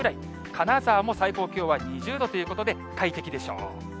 金沢も最高気温は２０度ということで快適でしょう。